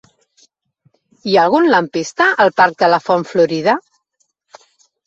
Hi ha algun lampista al parc de la Font Florida?